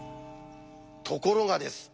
ところがです。